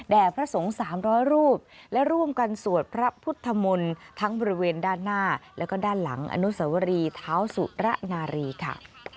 พระสงฆ์๓๐๐รูปและร่วมกันสวดพระพุทธมนต์ทั้งบริเวณด้านหน้าแล้วก็ด้านหลังอนุสวรีเท้าสุระนารีค่ะ